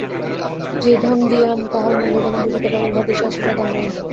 যে ধন দিলাম তাহার মূল্য যেন বুঝিতে পার, ইহার বেশি আশীর্বাদ আর নাই।